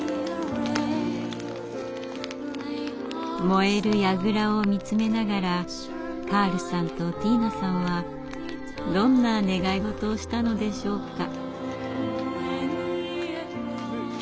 燃える櫓を見つめながらカールさんとティーナさんはどんな願い事をしたのでしょうか。